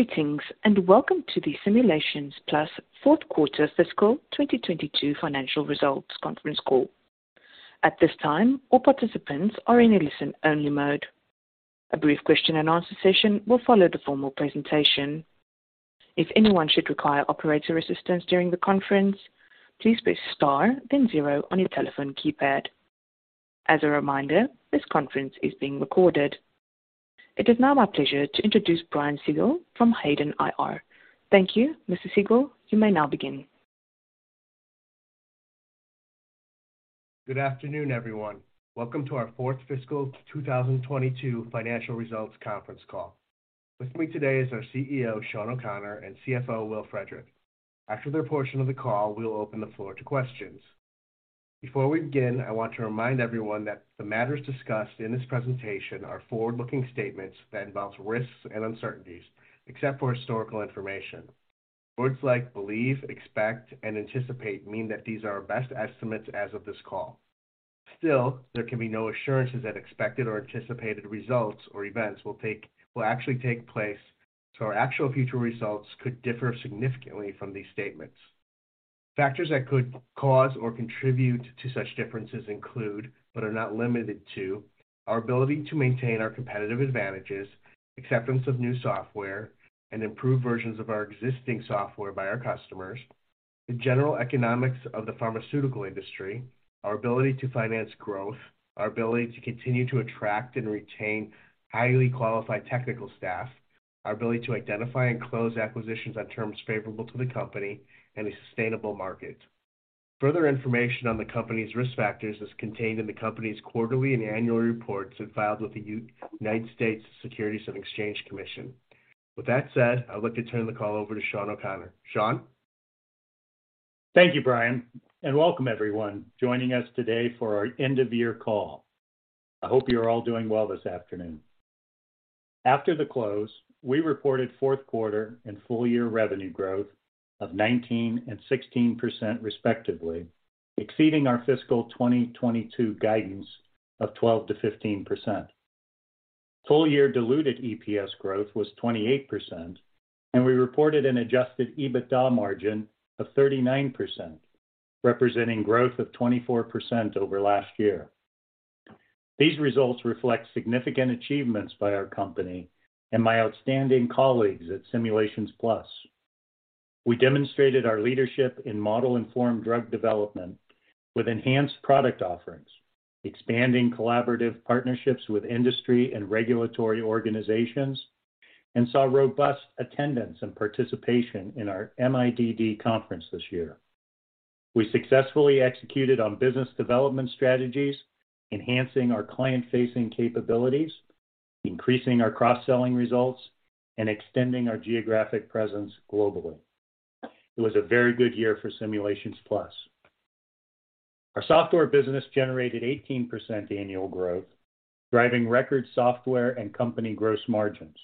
Greetings, and welcome to the Simulations Plus Fourth Quarter Fiscal 2022 Financial Results Conference Call. At this time, all participants are in a listen-only mode. A brief question and answer session will follow the formal presentation. If anyone should require operator assistance during the conference, please press star, then zero on your telephone keypad. As a reminder, this conference is being recorded. It is now my pleasure to introduce Brian Siegel from Hayden IR. Thank you, Mr. Siegel. You may now begin. Good afternoon, everyone. Welcome to our fourth fiscal 2022 financial results conference call. With me today is our CEO, Shawn O'Connor, and CFO, Will Frederick. After their portion of the call, we'll open the floor to questions. Before we begin, I want to remind everyone that the matters discussed in this presentation are forward-looking statements that involve risks and uncertainties, except for historical information. Words like believe, expect, and anticipate mean that these are our best estimates as of this call. Still, there can be no assurances that expected or anticipated results or events will actually take place, so our actual future results could differ significantly from these statements. Factors that could cause or contribute to such differences include, but are not limited to, our ability to maintain our competitive advantages, acceptance of new software and improved versions of our existing software by our customers, the general economics of the pharmaceutical industry, our ability to finance growth, our ability to continue to attract and retain highly qualified technical staff, our ability to identify and close acquisitions on terms favorable to the company in a sustainable market. Further information on the company's risk factors is contained in the company's quarterly and annual reports and filed with the United States Securities and Exchange Commission. With that said, I'd like to turn the call over to Shawn O'Connor. Shawn? Thank you, Brian, and welcome everyone joining us today for our end of year call. I hope you're all doing well this afternoon. After the close, we reported fourth quarter and full year revenue growth of 19% and 16% respectively, exceeding our fiscal 2022 guidance of 12%-15%. Full year diluted EPS growth was 28%, and we reported an adjusted EBITDA margin of 39%, representing growth of 24% over last year. These results reflect significant achievements by our company and my outstanding colleagues at Simulations Plus. We demonstrated our leadership in model-informed drug development with enhanced product offerings, expanding collaborative partnerships with industry and regulatory organizations, and saw robust attendance and participation in our MIDD conference this year. We successfully executed on business development strategies, enhancing our client-facing capabilities, increasing our cross-selling results, and extending our geographic presence globally. It was a very good year for Simulations Plus. Our software business generated 18% annual growth, driving record software and company gross margins.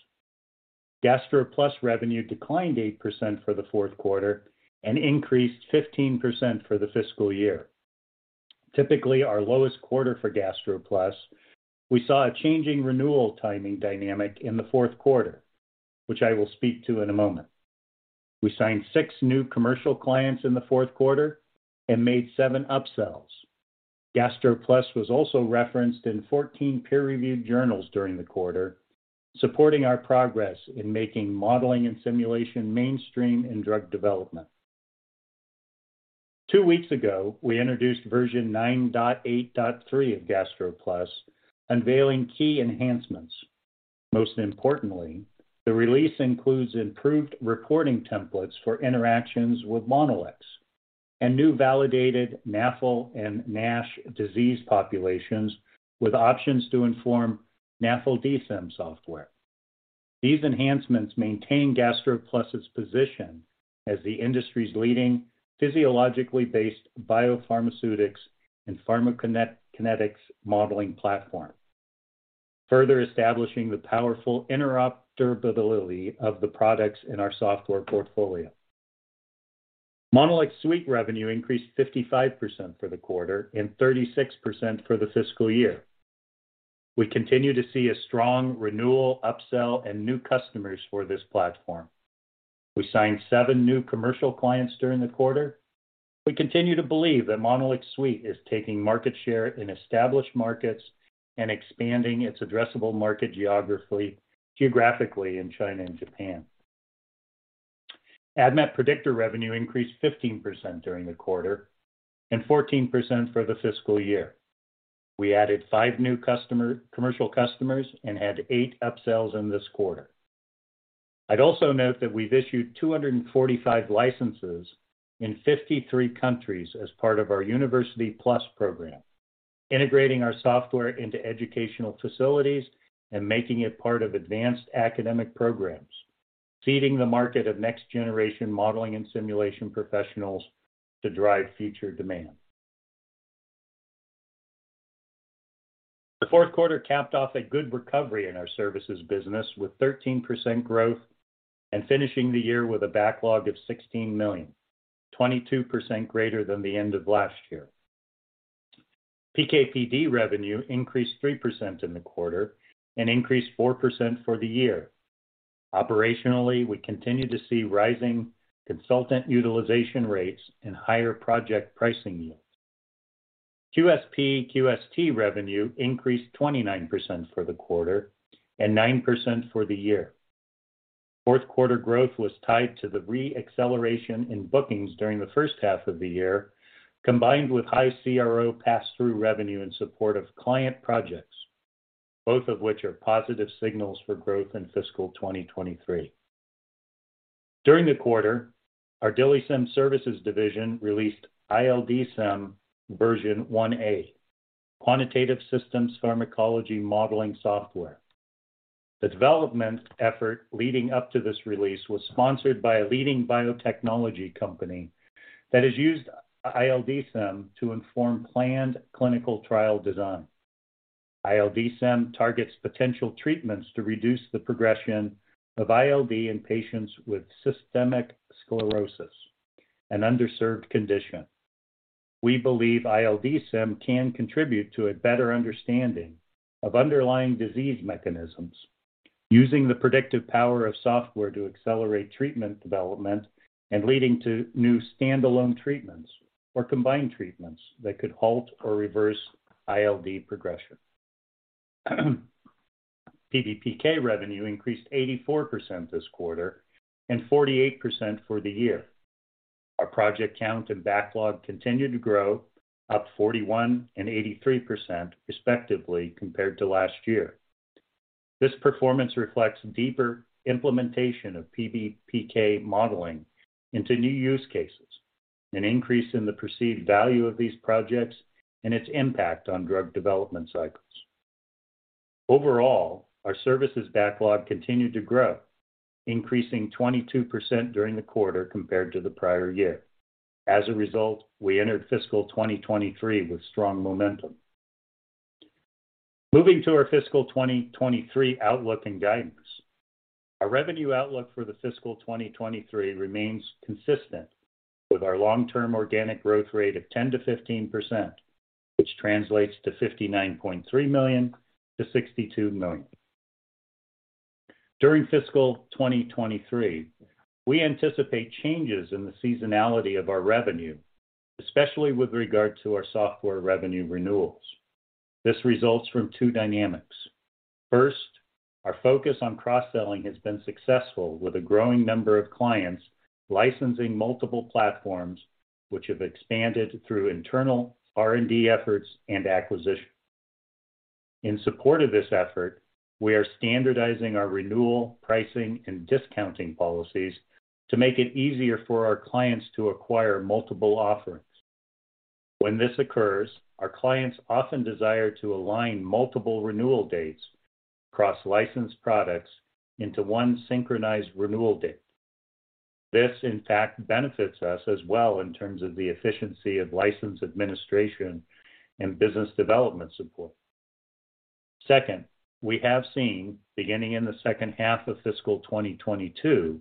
GastroPlus revenue declined 8% for the fourth quarter and increased 15% for the fiscal year. Typically, our lowest quarter for GastroPlus, we saw a changing renewal timing dynamic in the fourth quarter, which I will speak to in a moment. We signed 6 new commercial clients in the fourth quarter and made 7 upsells. GastroPlus was also referenced in 14 peer-reviewed journals during the quarter, supporting our progress in making modeling and simulation mainstream in drug development. Two weeks ago, we introduced version 9.8.3 of GastroPlus, unveiling key enhancements. Most importantly, the release includes improved reporting templates for interactions with Monolix and new validated NAFLD and NASH disease populations, with options to inform NAFLDsym software. These enhancements maintain GastroPlus's position as the industry's leading physiologically based biopharmaceutics and pharmacokinetics modeling platform, further establishing the powerful interoperability of the products in our software portfolio. MonolixSuite revenue increased 55% for the quarter and 36% for the fiscal year. We continue to see a strong renewal, upsell, and new customers for this platform. We signed 7 new commercial clients during the quarter. We continue to believe that MonolixSuite is taking market share in established markets and expanding its addressable market geographically in China and Japan. ADMET Predictor revenue increased 15% during the quarter and 14% for the fiscal year. We added 5 new commercial customers and had 8 upsells in this quarter. I'd also note that we've issued 245 licenses in 53 countries as part of our University+ program, integrating our software into educational facilities and making it part of advanced academic programs, feeding the market of next generation modeling and simulation professionals to drive future demand. The fourth quarter capped off a good recovery in our services business with 13% growth and finishing the year with a backlog of $16 million, 22% greater than the end of last year. PKPD revenue increased 3% in the quarter and increased 4% for the year. Operationally, we continue to see rising consultant utilization rates and higher project pricing yields. QSP/QST revenue increased 29% for the quarter and 9% for the year. Fourth quarter growth was tied to the re-acceleration in bookings during the first half of the year, combined with high CRO pass-through revenue in support of client projects, both of which are positive signals for growth in fiscal 2023. During the quarter, our DILIsym Services division released ILDsym version 1A, quantitative systems pharmacology modeling software. The development effort leading up to this release was sponsored by a leading biotechnology company that has used ILDsym to inform planned clinical trial design. ILDsym targets potential treatments to reduce the progression of ILD in patients with systemic sclerosis, an underserved condition. We believe ILDsym can contribute to a better understanding of underlying disease mechanisms using the predictive power of software to accelerate treatment development and leading to new standalone treatments or combined treatments that could halt or reverse ILD progression. PBPK revenue increased 84% this quarter and 48% for the year. Our project count and backlog continued to grow up 41% and 83% respectively compared to last year. This performance reflects deeper implementation of PBPK modeling into new use cases, an increase in the perceived value of these projects, and its impact on drug development cycles. Overall, our services backlog continued to grow, increasing 22% during the quarter compared to the prior year. As a result, we entered fiscal 2023 with strong momentum. Moving to our fiscal 2023 outlook and guidance. Our revenue outlook for the fiscal 2023 remains consistent with our long-term organic growth rate of 10%-15%, which translates to $59.3 million-$62 million. During fiscal 2023, we anticipate changes in the seasonality of our revenue, especially with regard to our software revenue renewals. This results from two dynamics. First, our focus on cross-selling has been successful with a growing number of clients licensing multiple platforms which have expanded through internal R&D efforts and acquisitions. In support of this effort, we are standardizing our renewal, pricing, and discounting policies to make it easier for our clients to acquire multiple offerings. When this occurs, our clients often desire to align multiple renewal dates across licensed products into one synchronized renewal date. This in fact benefits us as well in terms of the efficiency of license administration and business development support. Second, we have seen, beginning in the second half of fiscal 2022,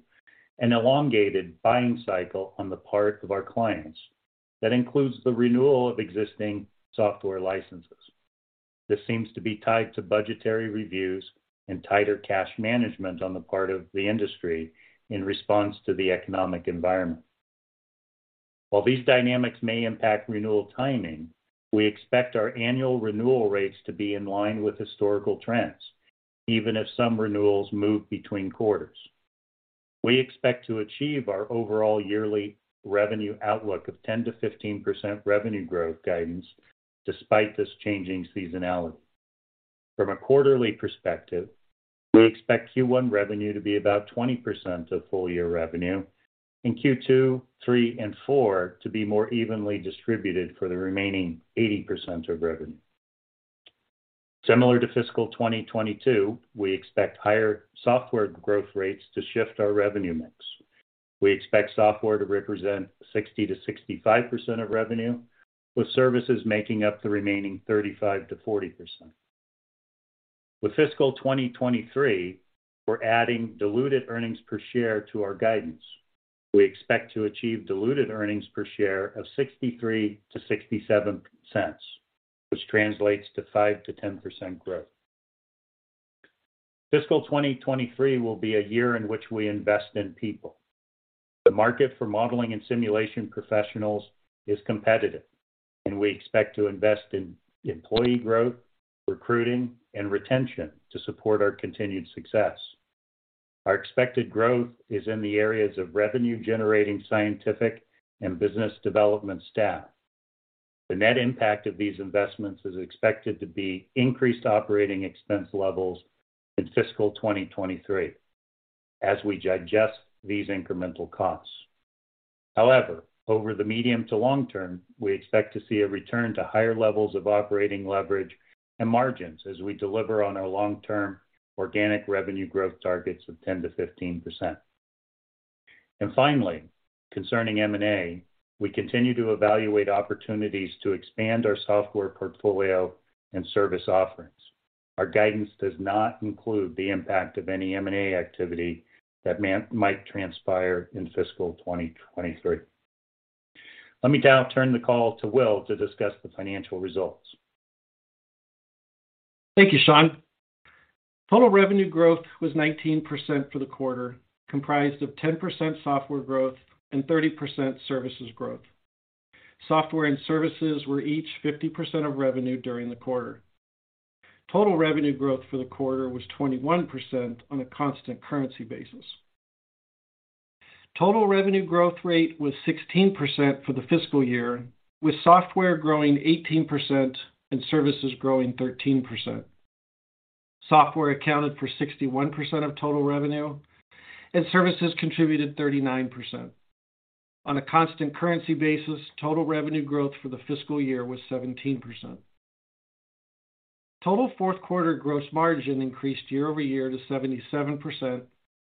an elongated buying cycle on the part of our clients that includes the renewal of existing software licenses. This seems to be tied to budgetary reviews and tighter cash management on the part of the industry in response to the economic environment. While these dynamics may impact renewal timing, we expect our annual renewal rates to be in line with historical trends, even if some renewals move between quarters. We expect to achieve our overall yearly revenue outlook of 10%-15% revenue growth guidance despite this changing seasonality. From a quarterly perspective, we expect Q1 revenue to be about 20% of full year revenue and Q2, three, and four to be more evenly distributed for the remaining 80% of revenue. Similar to fiscal 2022, we expect higher software growth rates to shift our revenue mix. We expect software to represent 60%-65% of revenue, with services making up the remaining 35%-40%. With fiscal 2023, we're adding diluted earnings per share to our guidance. We expect to achieve diluted earnings per share of $0.63-$0.67, which translates to 5%-10% growth. Fiscal 2023 will be a year in which we invest in people. The market for modeling and simulation professionals is competitive, and we expect to invest in employee growth, recruiting, and retention to support our continued success. Our expected growth is in the areas of revenue-generating scientific and business development staff. The net impact of these investments is expected to be increased operating expense levels in Fiscal 2023 as we digest these incremental costs. However, over the medium to long term, we expect to see a return to higher levels of operating leverage and margins as we deliver on our long-term organic revenue growth targets of 10%-15%. Finally, concerning M&A, we continue to evaluate opportunities to expand our software portfolio and service offerings. Our guidance does not include the impact of any M&A activity that might transpire in fiscal 2023. Let me now turn the call to Will to discuss the financial results. Thank you, Shawn. Total revenue growth was 19% for the quarter, comprised of 10% software growth and 30% services growth. Software and services were each 50% of revenue during the quarter. Total revenue growth for the quarter was 21% on a constant currency basis. Total revenue growth rate was 16% for the fiscal year, with software growing 18% and services growing 13%. Software accounted for 61% of total revenue, and services contributed 39%. On a constant currency basis, total revenue growth for the fiscal year was 17%. Total fourth quarter gross margin increased year-over-year to 77%,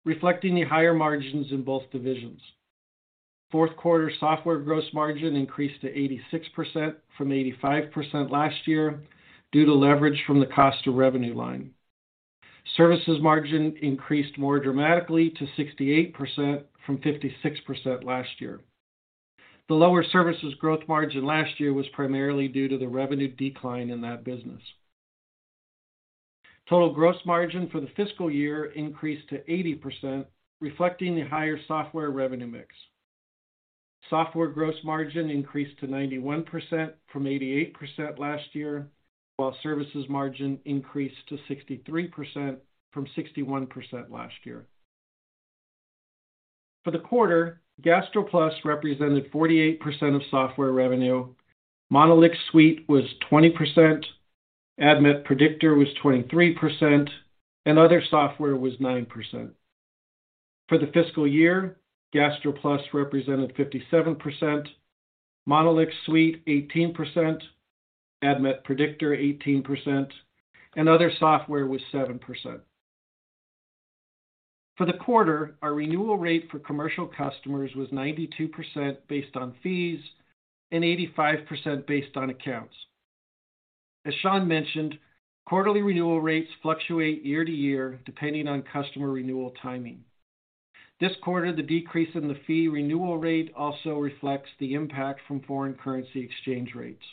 reflecting the higher margins in both divisions. Fourth quarter software gross margin increased to 86% from 85% last year due to leverage from the cost of revenue line. Services margin increased more dramatically to 68% from 56% last year. The lower services growth margin last year was primarily due to the revenue decline in that business. Total gross margin for the fiscal year increased to 80%, reflecting the higher software revenue mix. Software gross margin increased to 91% from 88% last year, while services margin increased to 63% from 61% last year. For the quarter, GastroPlus represented 48% of software revenue, MonolixSuite was 20%, ADMET Predictor was 23%, and other software was 9%. For the fiscal year, GastroPlus represented 57%, MonolixSuite 18%, ADMET Predictor 18%, and other software was 7%. For the quarter, our renewal rate for commercial customers was 92% based on fees and 85% based on accounts. As Shawn mentioned, quarterly renewal rates fluctuate year to year depending on customer renewal timing. This quarter, the decrease in the fee renewal rate also reflects the impact from foreign currency exchange rates.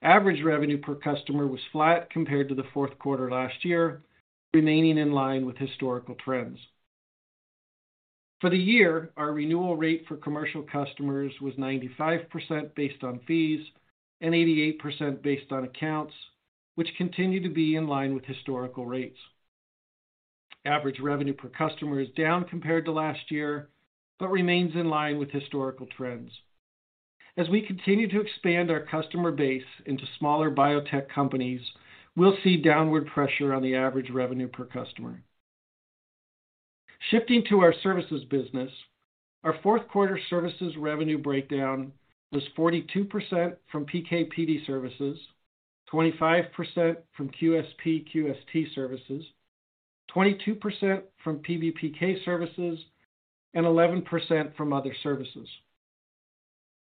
Average revenue per customer was flat compared to the fourth quarter last year, remaining in line with historical trends. For the year, our renewal rate for commercial customers was 95% based on fees and 88% based on accounts, which continue to be in line with historical trends. Average revenue per customer is down compared to last year, but remains in line with historical trends. As we continue to expand our customer base into smaller biotech companies, we'll see downward pressure on the average revenue per customer. Shifting to our services business, our fourth quarter services revenue breakdown was 42% from PK/PD services, 25% from QSP/QST services, 22% from PBPK services, and 11% from other services.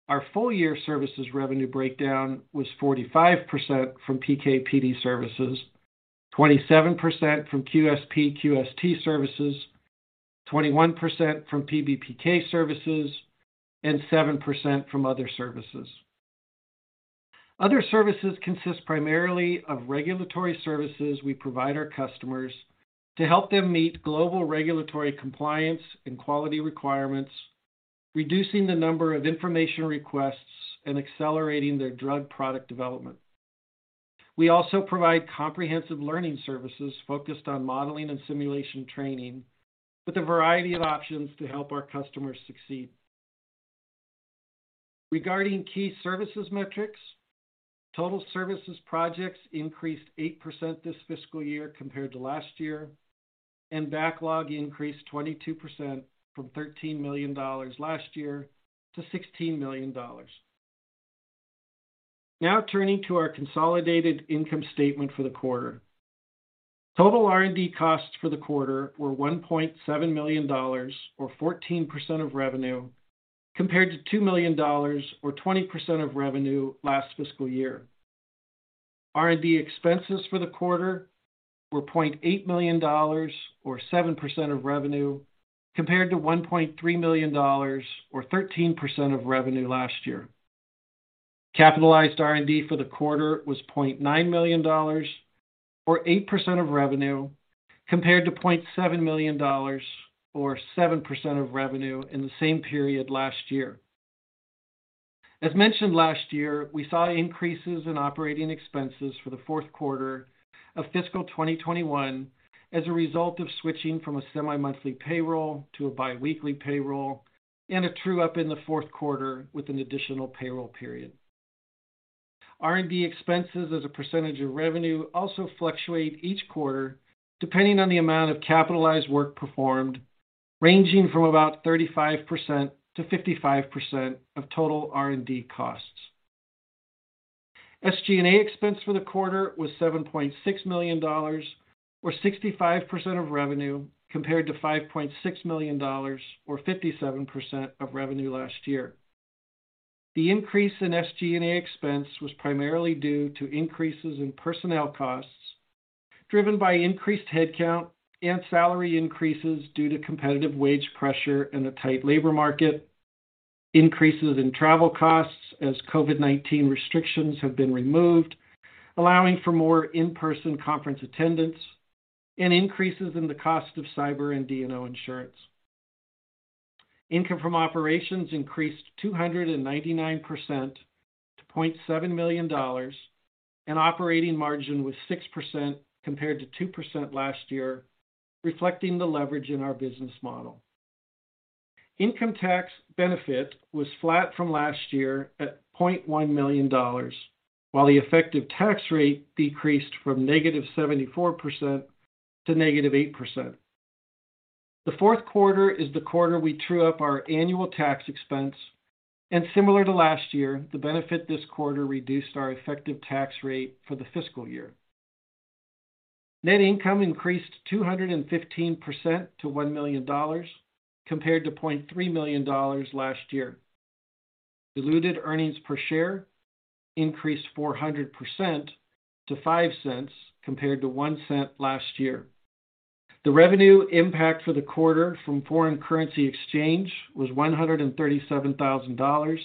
Our full year services revenue breakdown was 45% from PK/PD services, 27% from QSP/QST services, 21% from PBPK services, and 7% from other services. Other services consist primarily of regulatory services we provide our customers to help them meet global regulatory compliance and quality requirements, reducing the number of information requests and accelerating their drug product development. We also provide comprehensive learning services focused on modeling and simulation training with a variety of options to help our customers succeed. Regarding key services metrics, total services projects increased 8% this fiscal year compared to last year, and backlog increased 22% from $13 million last year to $16 million. Now turning to our consolidated income statement for the quarter. Total R&D costs for the quarter were $1.7 million or 14% of revenue, compared to $2 million or 20% of revenue last fiscal year. R&D expenses for the quarter were $0.8 million or 7% of revenue, compared to $1.3 million or 13% of revenue last year. Capitalized R&D for the quarter was $0.9 million or 8% of revenue, compared to $0.7 million or 7% of revenue in the same period last year. As mentioned last year, we saw increases in operating expenses for the fourth quarter of fiscal 2021 as a result of switching from a semi-monthly payroll to a biweekly payroll and a true-up in the fourth quarter with an additional payroll period. R&D expenses as a percentage of revenue also fluctuate each quarter depending on the amount of capitalized work performed, ranging from about 35%-55% of total R&D costs. SG&A expense for the quarter was $7.6 million or 65% of revenue, compared to $5.6 million or 57% of revenue last year. The increase in SG&A expense was primarily due to increases in personnel costs, driven by increased headcount and salary increases due to competitive wage pressure in a tight labor market, increases in travel costs as COVID-19 restrictions have been removed, allowing for more in-person conference attendance, and increases in the cost of cyber and D&O insurance. Income from operations increased 299% to $0.7 million, and operating margin was 6% compared to 2% last year, reflecting the leverage in our business model. Income tax benefit was flat from last year at $0.1 million, while the effective tax rate decreased from -74% to -8%. The fourth quarter is the quarter we true up our annual tax expense, and similar to last year, the benefit this quarter reduced our effective tax rate for the fiscal year. Net income increased 215% to $1 million compared to $0.3 million last year. Diluted earnings per share increased 400% to $0.05 compared to $0.01 last year. The revenue impact for the quarter from foreign currency exchange was $137,000,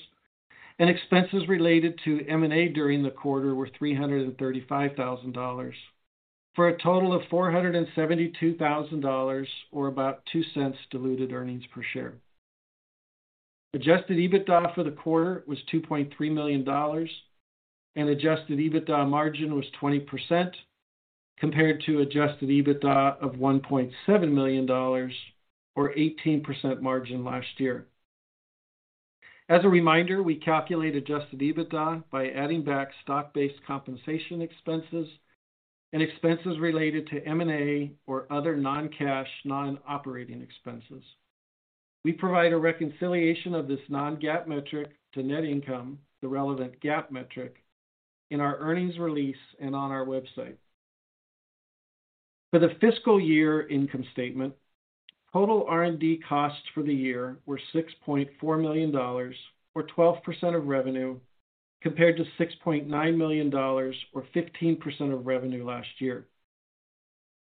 and expenses related to M&A during the quarter were $335,000, for a total of $472,000 or about $0.02 diluted earnings per share. Adjusted EBITDA for the quarter was $2.3 million and adjusted EBITDA margin was 20% compared to adjusted EBITDA of $1.7 million or 18% margin last year. As a reminder, we calculate adjusted EBITDA by adding back stock-based compensation expenses and expenses related to M&A or other non-cash, non-operating expenses. We provide a reconciliation of this non-GAAP metric to net income, the relevant GAAP metric, in our earnings release and on our website. For the fiscal year income statement, total R&D costs for the year were $6.4 million or 12% of revenue, compared to $6.9 million or 15% of revenue last year.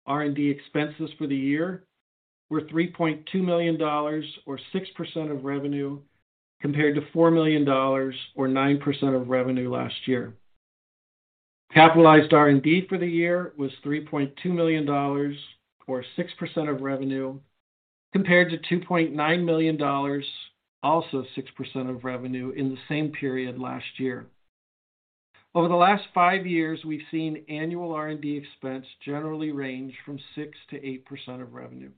R&D expenses for the year were $3.2 million or 6% of revenue, compared to $4 million or 9% of revenue last year. Capitalized R&D for the year was $3.2 million or 6% of revenue, compared to $2.9 million, also 6% of revenue, in the same period last year. Over the last 5 years, we've seen annual R&D expense generally range from 6%-8% of revenue.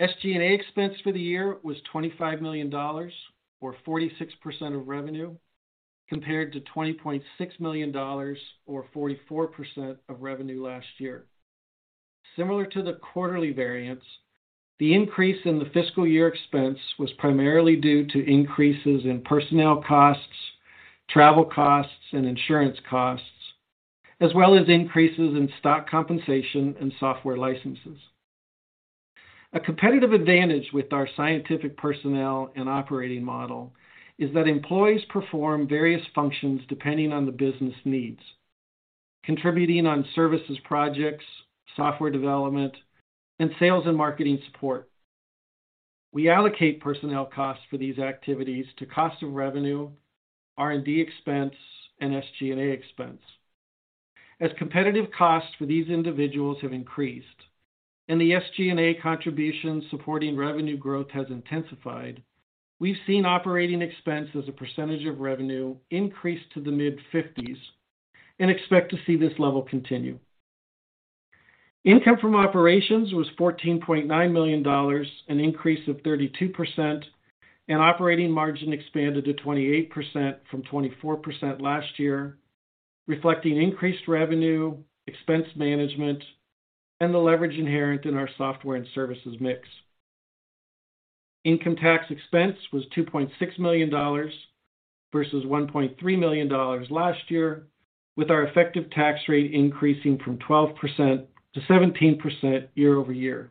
SG&A expense for the year was $25 million or 46% of revenue, compared to $20.6 million or 44% of revenue last year. Similar to the quarterly variance, the increase in the fiscal year expense was primarily due to increases in personnel costs, travel costs, and insurance costs, as well as increases in stock compensation and software licenses. A competitive advantage with our scientific personnel and operating model is that employees perform various functions depending on the business needs, contributing on services projects, software development, and sales and marketing support. We allocate personnel costs for these activities to cost of revenue, R&D expense, and SG&A expense. As competitive costs for these individuals have increased and the SG&A contribution supporting revenue growth has intensified, we've seen operating expense as a percentage of revenue increase to the mid-50s% and expect to see this level continue. Income from operations was $14.9 million, an increase of 32%, and operating margin expanded to 28% from 24% last year, reflecting increased revenue, expense management, and the leverage inherent in our software and services mix. Income tax expense was $2.6 million versus $1.3 million last year, with our effective tax rate increasing from 12% to 17% year-over-year.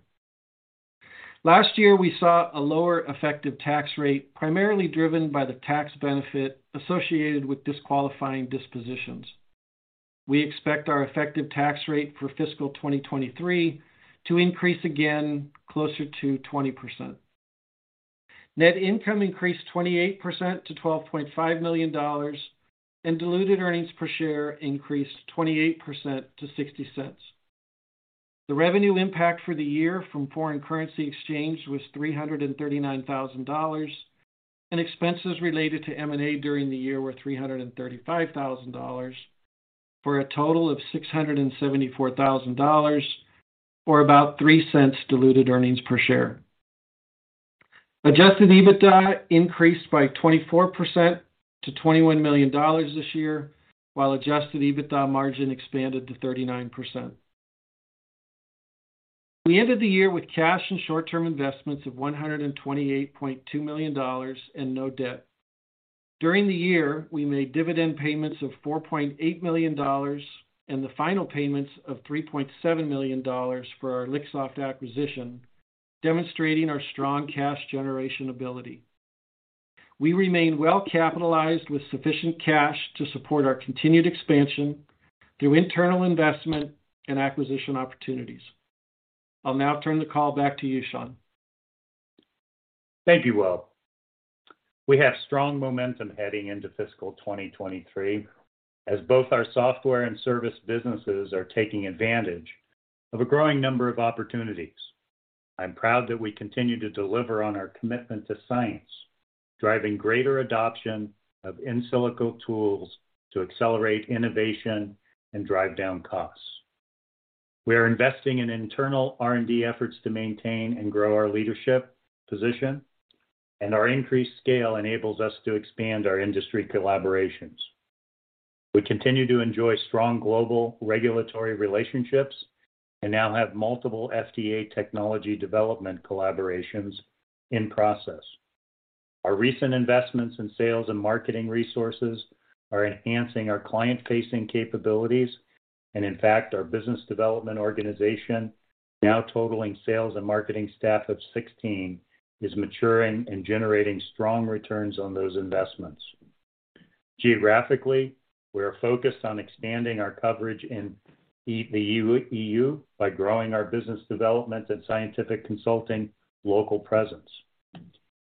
Last year, we saw a lower effective tax rate, primarily driven by the tax benefit associated with disqualifying dispositions. We expect our effective tax rate for fiscal 2023 to increase again closer to 20%. Net income increased 28% to $12.5 million, and diluted earnings per share increased 28% to $0.60. The revenue impact for the year from foreign currency exchange was $339,000, and expenses related to M&A during the year were $335,000, for a total of $674,000 or about $0.03 diluted earnings per share. Adjusted EBITDA increased by 24% to $21 million this year, while adjusted EBITDA margin expanded to 39%. We ended the year with cash and short-term investments of $128.2 million and no debt. During the year, we made dividend payments of $4.8 million and the final payments of $3.7 million for our Lixoft acquisition, demonstrating our strong cash generation ability. We remain well capitalized with sufficient cash to support our continued expansion through internal investment and acquisition opportunities. I'll now turn the call back to you, Shawn. Thank you, Will. We have strong momentum heading into fiscal 2023 as both our software and service businesses are taking advantage of a growing number of opportunities. I'm proud that we continue to deliver on our commitment to science, driving greater adoption of in silico tools to accelerate innovation and drive down costs. We are investing in internal R&D efforts to maintain and grow our leadership position, and our increased scale enables us to expand our industry collaborations. We continue to enjoy strong global regulatory relationships and now have multiple FDA technology development collaborations in process. Our recent investments in sales and marketing resources are enhancing our client-facing capabilities. In fact, our business development organization, now totaling sales and marketing staff of 16, is maturing and generating strong returns on those investments. Geographically, we are focused on expanding our coverage in the EU by growing our business development and scientific consulting local presence.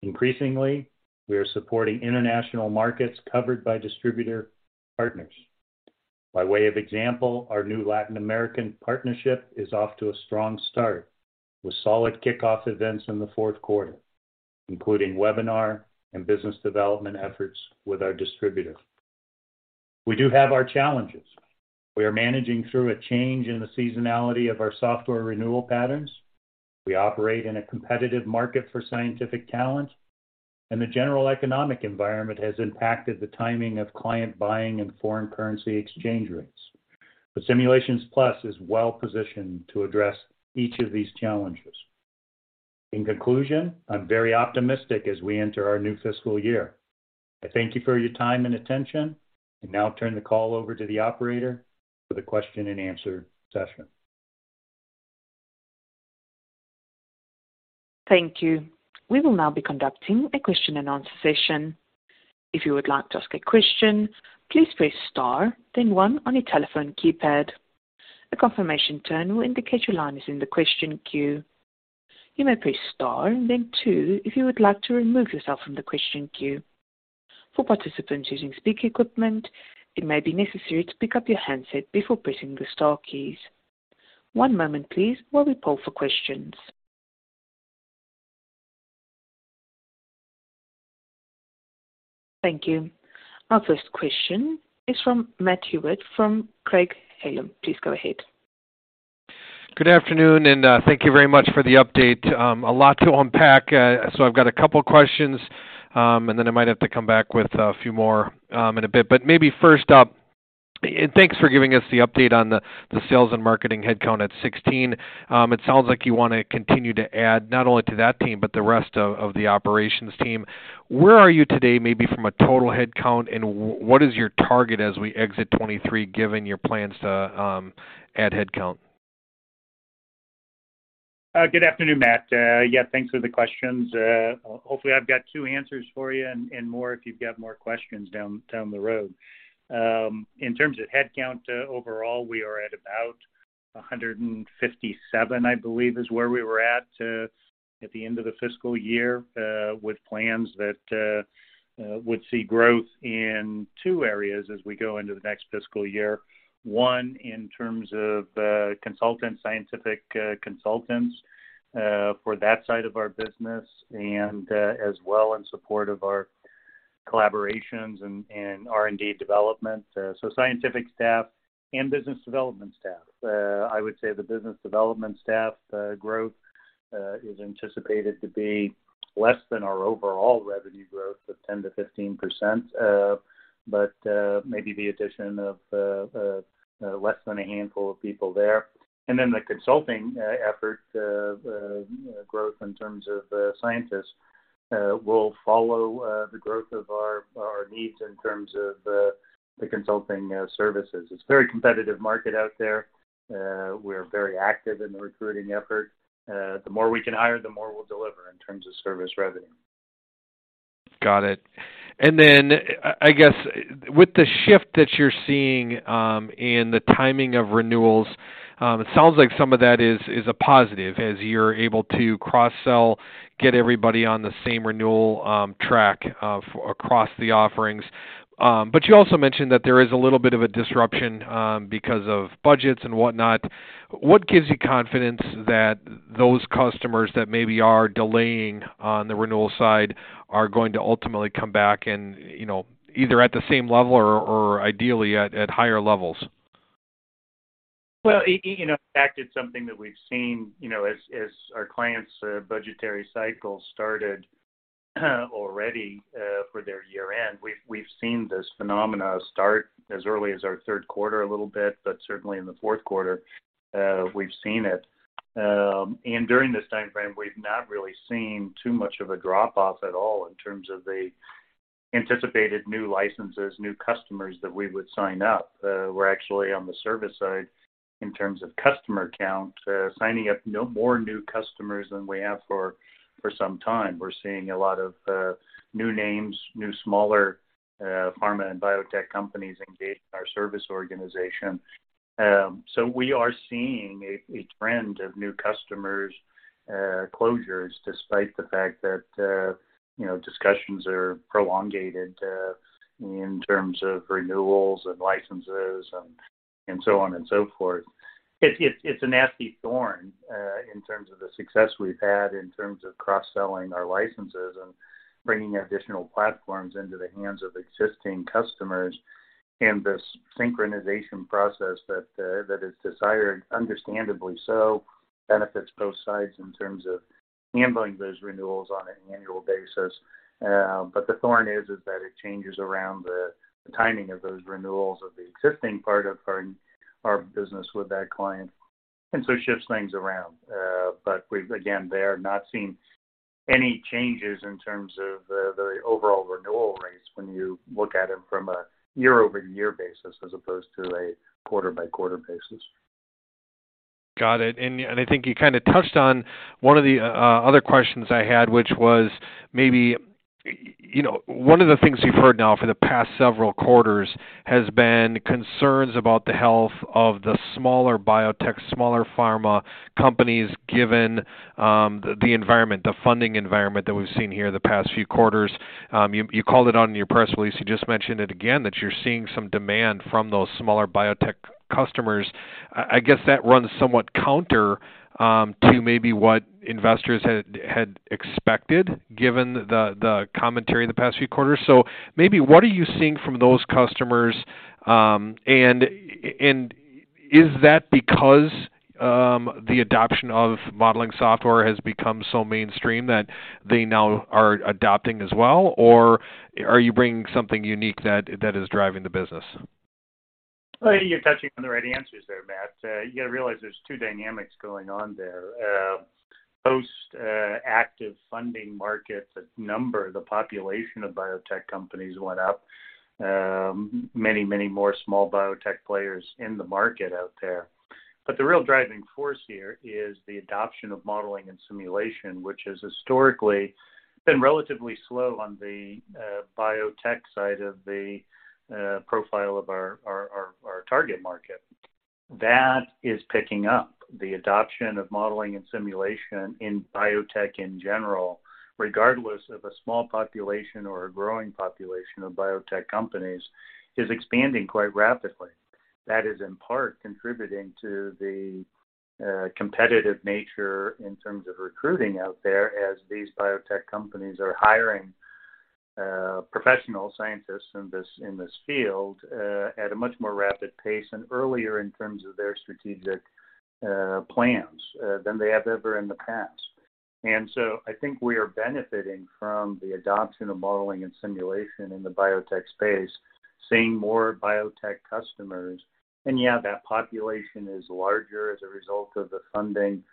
Increasingly, we are supporting international markets covered by distributor partners. By way of example, our new Latin American partnership is off to a strong start with solid kickoff events in the fourth quarter, including webinar and business development efforts with our distributor. We do have our challenges. We are managing through a change in the seasonality of our software renewal patterns. We operate in a competitive market for scientific talent, and the general economic environment has impacted the timing of client buying and foreign currency exchange rates. Simulations Plus is well positioned to address each of these challenges. In conclusion, I'm very optimistic as we enter our new fiscal year. I thank you for your time and attention and now turn the call over to the operator for the question and answer session. Thank you. We will now be conducting a question and answer session. If you would like to ask a question, please press Star, then one on your telephone keypad. A confirmation tone will indicate your line is in the question queue. You may press Star and then two if you would like to remove yourself from the question queue. For participants using speaker equipment, it may be necessary to pick up your handset before pressing the star keys. One moment please while we poll for questions. Thank you. Our first question is from Matthew Hewitt from Craig-Hallum. Please go ahead. Good afternoon, thank you very much for the update. A lot to unpack, so I've got a couple questions, and then I might have to come back with a few more, in a bit. Maybe first up, and thanks for giving us the update on the sales and marketing headcount at 16. It sounds like you want to continue to add not only to that team but the rest of the operations team. Where are you today maybe from a total headcount, and what is your target as we exit 2023, given your plans to add headcount? Good afternoon, Matthew. Yeah, thanks for the questions. Hopefully, I've got two answers for you and more if you've got more questions down the road. In terms of headcount, overall, we are at about 157, I believe, is where we were at the end of the fiscal year, with plans that would see growth in two areas as we go into the next fiscal year. One, in terms of consulting scientific consultants for that side of our business and as well in support of our collaborations and R&D development. Scientific staff and business development staff. I would say the business development staff growth is anticipated to be less than our overall revenue growth of 10%-15%. Maybe the addition of less than a handful of people there. The consulting effort growth in terms of scientists will follow the growth of our needs in terms of the consulting services. It's a very competitive market out there. We're very active in the recruiting effort. The more we can hire, the more we'll deliver in terms of service revenue. Got it. I guess with the shift that you're seeing in the timing of renewals, it sounds like some of that is a positive as you're able to cross-sell, get everybody on the same renewal track across the offerings. But you also mentioned that there is a little bit of a disruption because of budgets and whatnot. What gives you confidence that those customers that maybe are delaying on the renewal side are going to ultimately come back and, you know, either at the same level or ideally at higher levels? Well, you know, in fact, it's something that we've seen, you know, as our clients' budgetary cycle started already for their year-end. We've seen this phenomenon start as early as our third quarter a little bit, but certainly in the fourth quarter, we've seen it. During this time frame, we've not really seen too much of a drop off at all in terms of the anticipated new licenses, new customers that we would sign up. We're actually on the service side in terms of customer count, signing up no more new customers than we have for some time. We're seeing a lot of new names, new smaller pharma and biotech companies engaged in our service organization. We are seeing a trend of new customers closures despite the fact that you know discussions are prolonged in terms of renewals and licenses and so on and so forth. It's a nasty thorn in terms of the success we've had in terms of cross-selling our licenses and bringing additional platforms into the hands of existing customers. This synchronization process that is desired, understandably so, benefits both sides in terms of handling those renewals on an annual basis. The thorn is that it changes around the timing of those renewals of the existing part of our business with that client, and so shifts things around. We've again not seen any changes in terms of the overall renewal rates when you look at it from a year-over-year basis as opposed to a quarter-over-quarter basis. Got it. I think you kinda touched on one of the other questions I had, which was maybe, you know, one of the things you've heard now for the past several quarters has been concerns about the health of the smaller biotech, smaller pharma companies, given the environment, the funding environment that we've seen here the past few quarters. You called it out in your press release. You just mentioned it again, that you're seeing some demand from those smaller biotech customers. I guess that runs somewhat counter to maybe what investors had expected, given the commentary the past few quarters. Maybe what are you seeing from those customers? Is that because the adoption of modeling software has become so mainstream that they now are adopting as well? are you bringing something unique that is driving the business? Well, you're touching on the right answers there, Matthew. You gotta realize there's two dynamics going on there. Post active funding markets, the population of biotech companies went up. Many more small biotech players in the market out there. But the real driving force here is the adoption of modeling and simulation, which has historically been relatively slow on the biotech side of the profile of our target market. That is picking up. The adoption of modeling and simulation in biotech in general, regardless of a small population or a growing population of biotech companies, is expanding quite rapidly. That is in part contributing to the competitive nature in terms of recruiting out there as these biotech companies are hiring professional scientists in this field at a much more rapid pace and earlier in terms of their strategic plans than they have ever in the past. I think we are benefiting from the adoption of modeling and simulation in the biotech space, seeing more biotech customers. Yeah, that population is larger as a result of the funding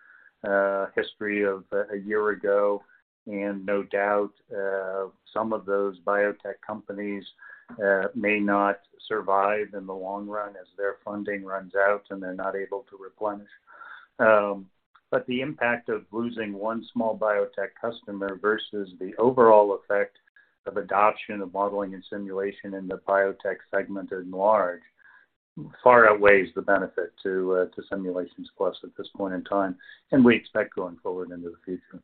history of a year ago. No doubt some of those biotech companies may not survive in the long run as their funding runs out and they're not able to replenish. The impact of losing one small biotech customer versus the overall effect of adoption of modeling and simulation in the biotech segment at large far outweighs the benefit to Simulations Plus at this point in time, and we expect going forward into the future.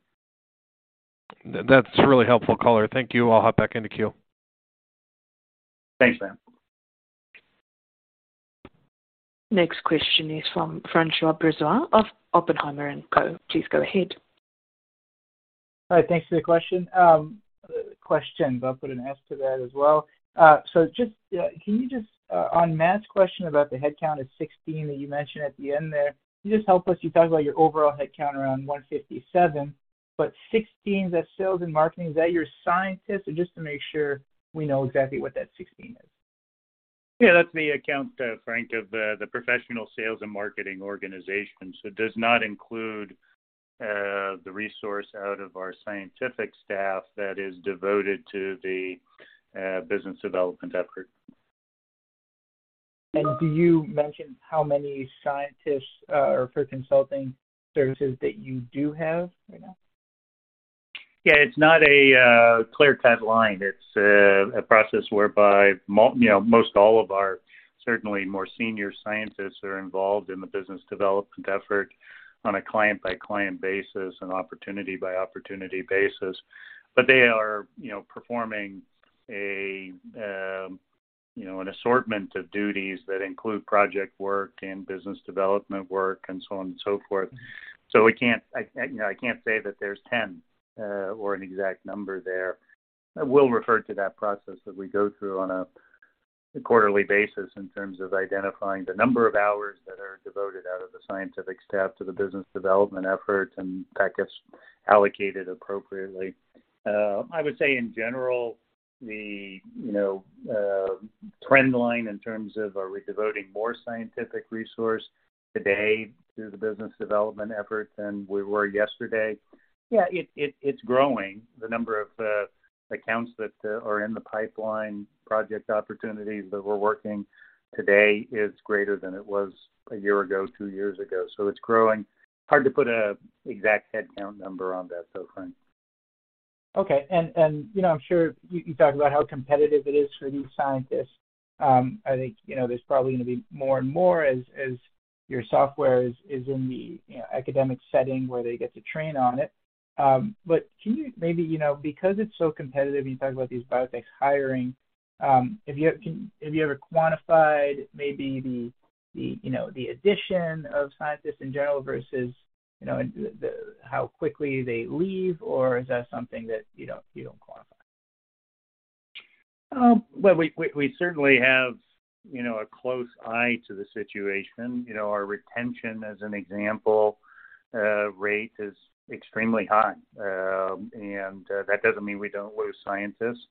That's really helpful color. Thank you. I'll hop back into queue. Thanks, Matthew. Next question is from François Brisebois of Oppenheimer & Co. Please go ahead. Hi. Thanks for the question. Questions. I'll put an S to that as well. Just can you just on Matthew's question about the headcount at 16 that you mentioned at the end there, can you just help us? You talked about your overall headcount around 157, but 16 that sales and marketing, is that your scientists? Just to make sure we know exactly what that 16 is. Yeah, that's the headcount, Frank, of the professional sales and marketing organization. It does not include the resource out of our scientific staff that is devoted to the business development effort. Do you mention how many scientists, or for consulting services that you do have right now? Yeah, it's not a clear-cut line. It's a process whereby you know, most all of our certainly more senior scientists are involved in the business development effort on a client-by-client basis and opportunity-by-opportunity basis. They are, you know, performing a you know, an assortment of duties that include project work and business development work and so on and so forth. We can't. I you know, I can't say that there's 10 or an exact number there. I will refer to that process that we go through on a quarterly basis in terms of identifying the number of hours that are devoted out of the scientific staff to the business development efforts, and that gets allocated appropriately. I would say in general, the trend line in terms of are we devoting more scientific resource today to the business development effort than we were yesterday? Yeah, it's growing. The number of accounts that are in the pipeline, project opportunities that we're working today is greater than it was a year ago, two years ago. It's growing. Hard to put a exact headcount number on that though, Frank. Okay. You know, I'm sure you talked about how competitive it is for these scientists. I think, you know, there's probably gonna be more and more as your software is in the academic setting where they get to train on it. But can you maybe, you know, because it's so competitive, you talked about these biotechs hiring, have you ever quantified maybe the addition of scientists in general versus how quickly they leave, or is that something that you don't quantify? Well, we certainly have, you know, a close eye to the situation. You know, our retention, as an example, rate is extremely high. That doesn't mean we don't lose scientists.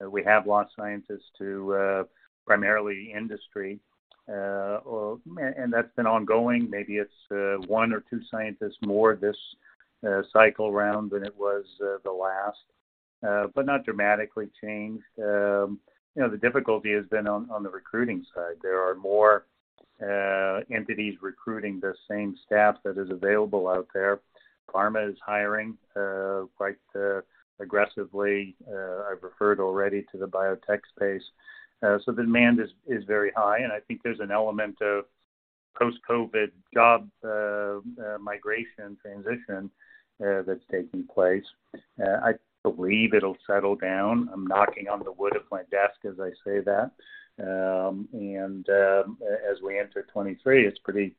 We have lost scientists to, primarily industry. And that's been ongoing. Maybe it's one or two scientists more this cycle round than it was the last, but not dramatically changed. You know, the difficulty has been on the recruiting side. There are more entities recruiting the same staff that is available out there. Pharma is hiring quite aggressively. I've referred already to the biotech space. The demand is very high, and I think there's an element of post-COVID job migration transition that's taking place. I believe it'll settle down. I'm knocking on the wood of my desk as I say that. As we enter 2023, it's pretty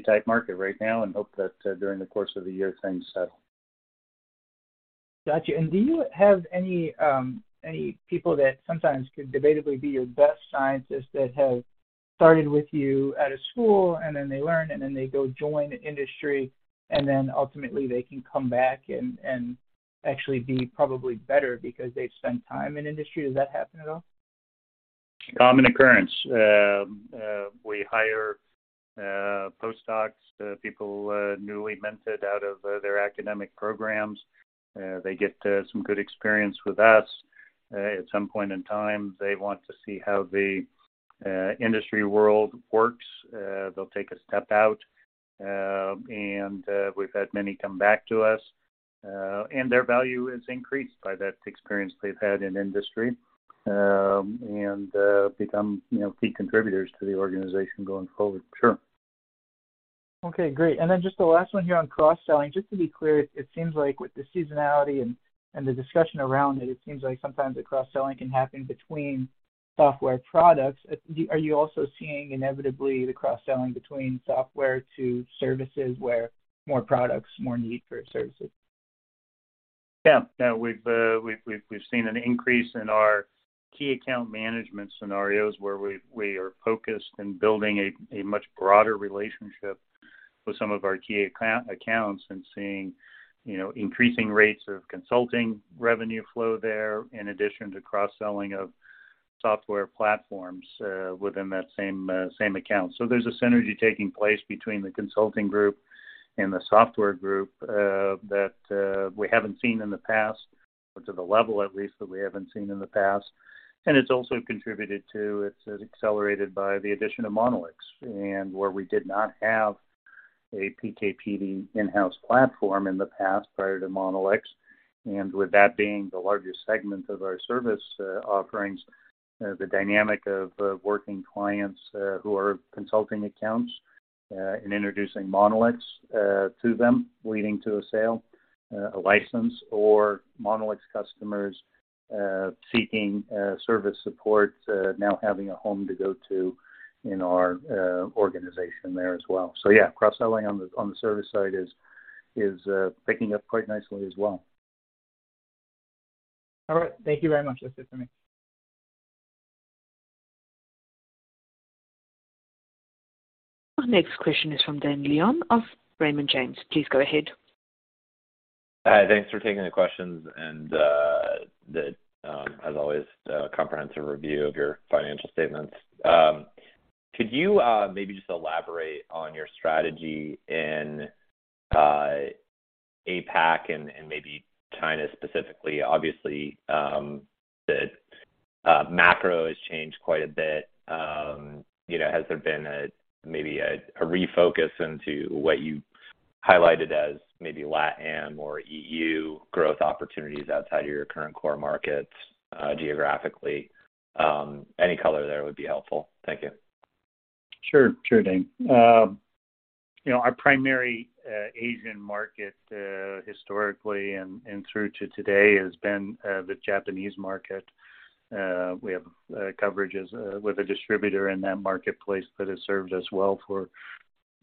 tight market right now and hope that during the course of the year, things settle. Gotcha. Do you have any people that sometimes could debatably be your best scientists that have started with you at a school, and then they learn, and then they go join industry, and then ultimately they can come back and actually be probably better because they've spent time in industry? Does that happen at all? Common occurrence. We hire postdocs, people newly minted out of their academic programs. They get some good experience with us. At some point in time, they want to see how the industry world works. They'll take a step out. We've had many come back to us, and their value is increased by that experience they've had in industry, and become, you know, key contributors to the organization going forward. Sure. Okay, great. Just the last one here on cross-selling. Just to be clear, it seems like with the seasonality and the discussion around it seems like sometimes the cross-selling can happen between software products. Are you also seeing inevitably the cross-selling between software to services where more products, more need for services? We've seen an increase in our key account management scenarios where we are focused in building a much broader relationship with some of our key accounts and seeing, you know, increasing rates of consulting revenue flow there in addition to cross-selling of software platforms within that same account. There's a synergy taking place between the consulting group and the software group that we haven't seen in the past or to the level at least that we haven't seen in the past. It's accelerated by the addition of Monolix where we did not have a PK/PD in-house platform in the past prior to Monolix. With that being the largest segment of our service offerings, the dynamic of working clients who are consulting accounts in introducing Monolix to them leading to a sale, a license or Monolix customers seeking service support now having a home to go to in our organization there as well. Yeah, cross-selling on the service side is picking up quite nicely as well. All right. Thank you very much. That's it for me. Our next question is from Dane Leone of Raymond James. Please go ahead. Hi. Thanks for taking the questions and, the, as always, comprehensive review of your financial statements. Could you, maybe just elaborate on your strategy in, APAC and, maybe China specifically? Obviously, the, macro has changed quite a bit. You know, has there been a, maybe a refocus into what you highlighted as maybe LATAM or EU growth opportunities outside of your current core markets, geographically? Any color there would be helpful. Thank you. Sure, Dane. You know, our primary Asian market historically and through to today has been the Japanese market. We have coverages with a distributor in that marketplace that has served us well for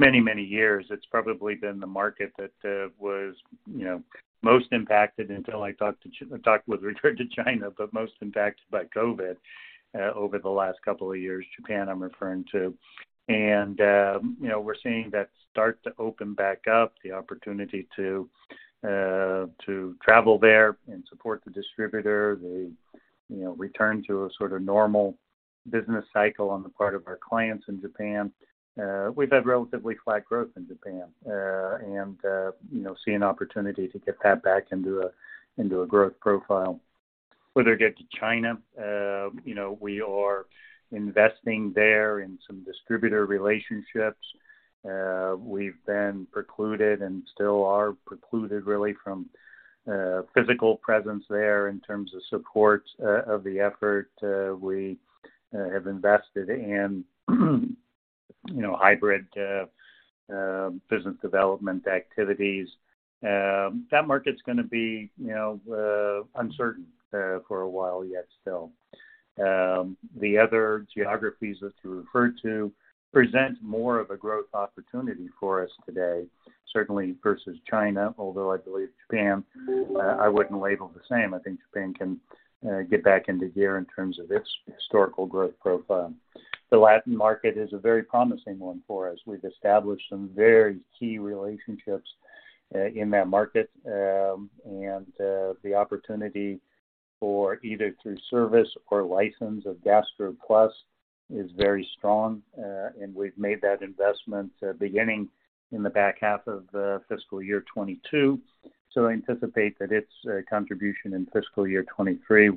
many, many years. It's probably been the market that was, you know, most impacted until I talked with regard to China, but most impacted by COVID over the last couple of years, Japan I'm referring to. You know, we're seeing that start to open back up, the opportunity to travel there and support the distributor. You know, return to a sort of normal business cycle on the part of our clients in Japan. We've had relatively flat growth in Japan and you know see an opportunity to get that back into a growth profile. We'd better get to China, you know, we are investing there in some distributor relationships. We've been precluded and still are precluded really from physical presence there in terms of support of the effort. We have invested in, you know, hybrid business development activities. That market's gonna be, you know, uncertain for a while yet still. The other geographies that you referred to present more of a growth opportunity for us today, certainly versus China, although I believe Japan, I wouldn't label the same. I think Japan can get back into gear in terms of its historical growth profile. The Latin market is a very promising one for us. We've established some very key relationships in that market. The opportunity for either through service or license of GastroPlus is very strong. We've made that investment, beginning in the back half of the fiscal year 2022. I anticipate that its contribution in fiscal year 2023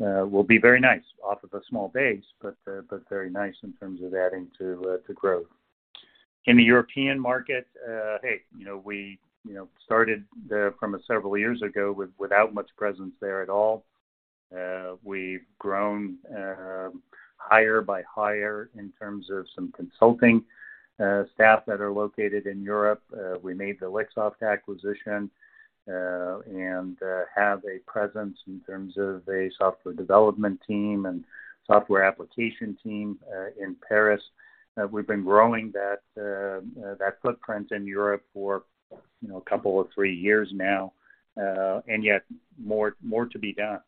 will be very nice off of a small base, but very nice in terms of adding to growth. In the European market, hey, you know, we, you know, started there from several years ago without much presence there at all. We've grown, hire by hire in terms of some consulting staff that are located in Europe. We made the Lixoft acquisition, and have a presence in terms of a software development team and software application team in Paris. We've been growing that footprint in Europe for, you know, a couple or three years now. Yet more to be done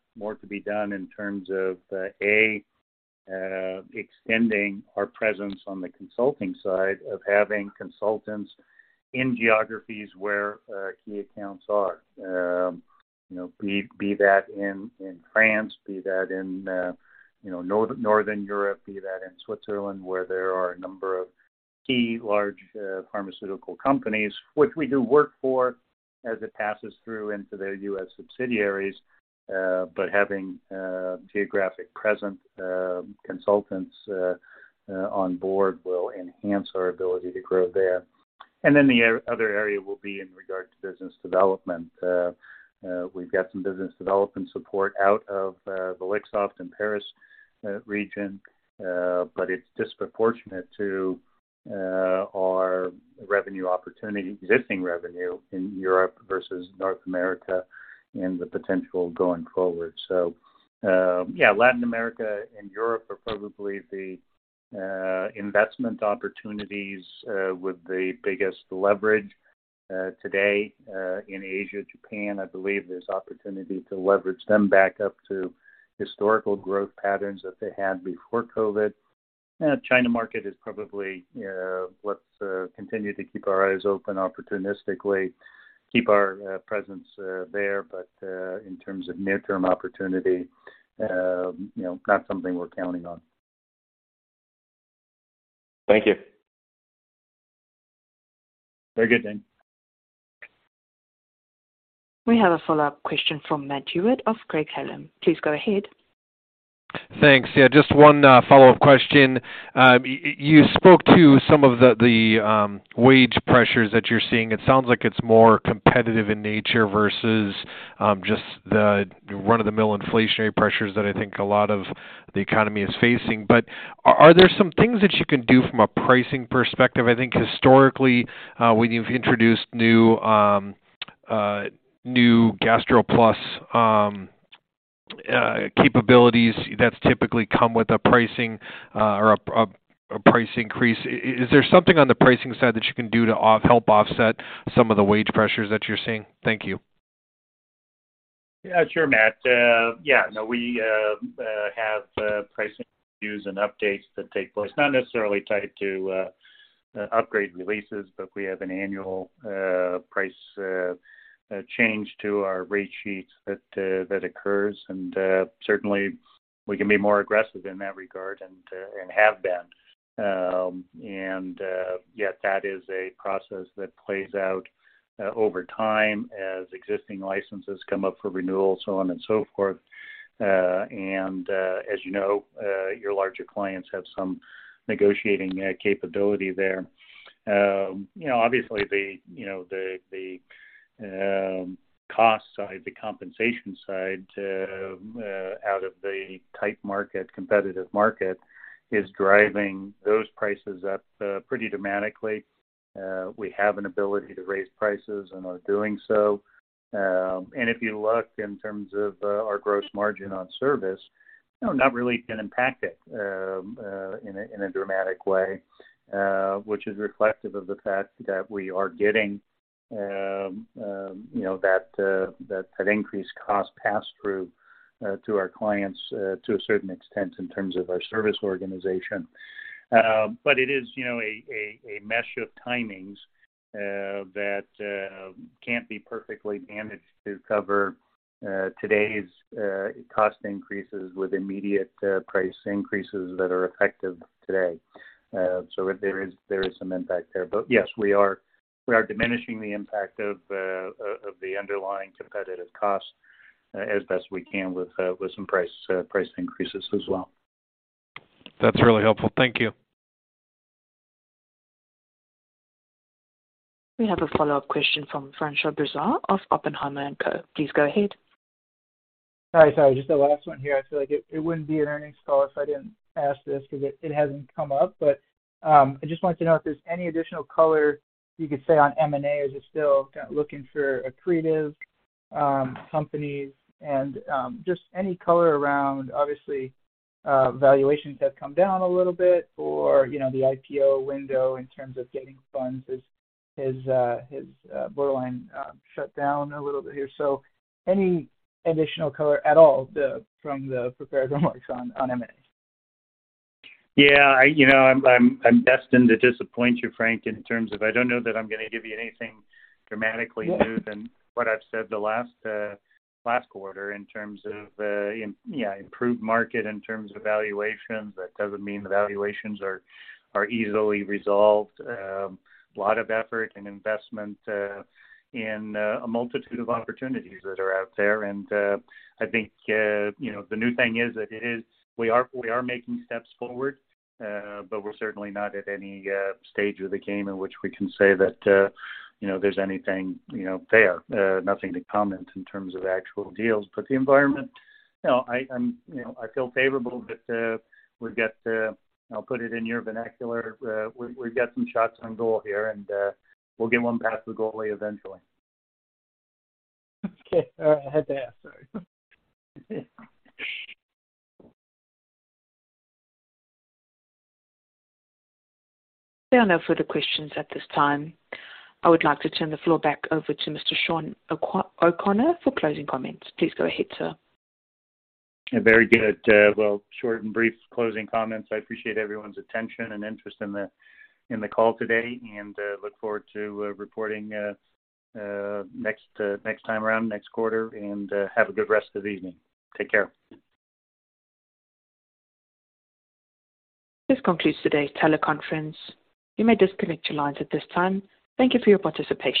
in terms of extending our presence on the consulting side of having consultants in geographies where our key accounts are. You know, be that in France, be that in you know, Northern Europe, be that in Switzerland, where there are a number of key large pharmaceutical companies, which we do work for as it passes through into their US subsidiaries. But having geographic presence consultants on board will enhance our ability to grow there. Then the other area will be in regard to business development. We've got some business development support out of the Lixoft in Paris region. But it's disproportionate to our revenue opportunity, existing revenue in Europe versus North America and the potential going forward. Latin America and Europe are probably the investment opportunities with the biggest leverage today. In Asia, Japan, I believe there's opportunity to leverage them back up to historical growth patterns that they had before COVID. China market is probably, let's continue to keep our eyes open opportunistically, keep our presence there. In terms of near-term opportunity, you know, not something we're counting on. Thank you. Very good, Dane. We have a follow-up question from Matthew Hewitt of Craig-Hallum. Please go ahead. Thanks. Yeah, just one follow-up question. You spoke to some of the wage pressures that you're seeing. It sounds like it's more competitive in nature versus just the run-of-the-mill inflationary pressures that I think a lot of the economy is facing. Are there some things that you can do from a pricing perspective? I think historically, when you've introduced new GastroPlus capabilities, that's typically come with a pricing or a price increase. Is there something on the pricing side that you can do to help offset some of the wage pressures that you're seeing? Thank you. Yeah, sure, Matthew. Yeah, no, we have pricing reviews and updates that take place, not necessarily tied to upgrade releases, but we have an annual price change to our rate sheets that occurs. Certainly we can be more aggressive in that regard and have been. Yet that is a process that plays out over time as existing licenses come up for renewal, so on and so forth. As you know, your larger clients have some negotiating capability there. You know, obviously the cost side, the compensation side out of the tight market, competitive market is driving those prices up pretty dramatically. We have an ability to raise prices and are doing so. If you look in terms of our gross margin on service, you know, not really been impacted in a dramatic way, which is reflective of the fact that we are getting, you know, that increased cost passed through to our clients to a certain extent in terms of our service organization. It is, you know, a mesh of timings that can't be perfectly managed to cover today's cost increases with immediate price increases that are effective today. There is some impact there. Yes, we are diminishing the impact of the underlying competitive costs as best we can with some price increases as well. That's really helpful. Thank you. We have a follow-up question from François Brisebois of Oppenheimer & Co. Please go ahead. Sorry, just the last one here. I feel like it wouldn't be an earnings call if I didn't ask this 'cause it hasn't come up. I just wanted to know if there's any additional color you could say on M&A. Is it still kinda looking for accretive companies? Just any color around obviously, valuations have come down a little bit or, you know, the IPO window in terms of getting funds is borderline, shut down a little bit here. Any additional color at all, from the prepared remarks on M&A. Yeah. You know, I'm destined to disappoint you, François Brisebois, in terms of I don't know that I'm gonna give you anything dramatically new than what I've said the last quarter in terms of improved market in terms of valuations. That doesn't mean the valuations are easily resolved. Lot of effort and investment in a multitude of opportunities that are out there. I think you know, the new thing is that we are making steps forward, but we're certainly not at any stage of the game in which we can say that you know, there's anything there. Nothing to comment in terms of actual deals. The environment, you know, I feel favorable, but we've got to. I'll put it in your vernacular, we've got some shots on goal here, and we'll get one past the goalie eventually. Okay. All right. I had to ask. Sorry. There are no further questions at this time. I would like to turn the floor back over to Mr. Shawn O'Connor for closing comments. Please go ahead, sir. Yeah, very good. Well, short and brief closing comments. I appreciate everyone's attention and interest in the call today, and look forward to reporting next time around, next quarter. Have a good rest of the evening. Take care. This concludes today's teleconference. You may disconnect your lines at this time. Thank you for your participation.